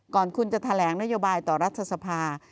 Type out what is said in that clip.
ก่อนคุณจะแถลงนโยบายต่อรัฐสภา